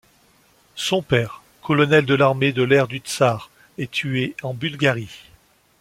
Son père, colonel de l'armée de l'air du Tzar, est tué en Bulgarie.